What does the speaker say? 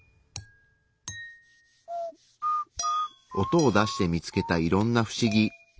音を出して見つけたいろんなふしぎ。